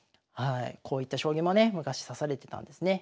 こういった将棋もね昔指されてたんですね。